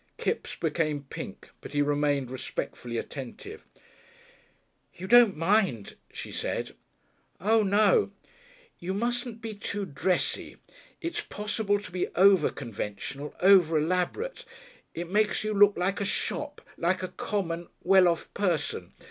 Kipps became pink, but he remained respectfully attentive. "You don't mind?" she said. "Oo, no." "You mustn't be too too dressy. It's possible to be over conventional, over elaborate. It makes you look like a shop like a common, well off person.